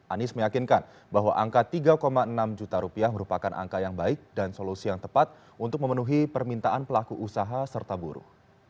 anies meyakinkan bahwa angka tiga enam juta rupiah merupakan angka yang baik dan solusi yang tepat untuk memenuhi permintaan pelaku usaha serta buruh